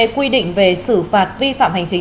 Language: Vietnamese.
quy định về xử phạt vi phạm hành chính